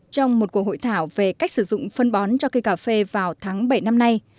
trong một cuộc hội thảo về cách sử dụng phân bón cho cây cà phê vào tháng bảy năm nay